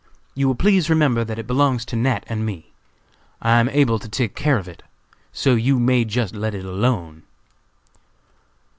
You will please remember that it belongs to Nat. and me. I am able to take care of it, so you may just let it alone."